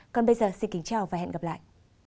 còn bây giờ xin kính chào và hẹn gặp lại